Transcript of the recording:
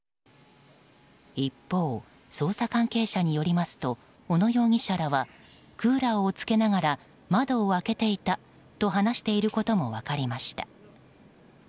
一方、捜査関係者によりますと小野容疑者らはクーラーをつけながら窓を開けていたと話していることも分かりました。